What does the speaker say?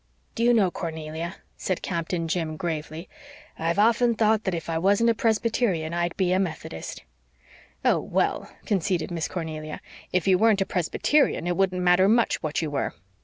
"Do you know, Cornelia," said Captain Jim gravely, "I've often thought that if I wasn't a Presbyterian I'd be a Methodist." "Oh, well," conceded Miss Cornelia, "if you weren't a Presbyterian it wouldn't matter much what you were.